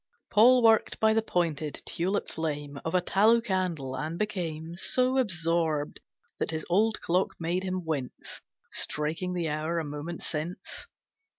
Paul worked by the pointed, tulip flame Of a tallow candle, and became So absorbed, that his old clock made him wince Striking the hour a moment since.